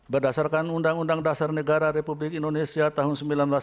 berdasarkan undang undang dasar negara republik indonesia tahun seribu sembilan ratus empat puluh lima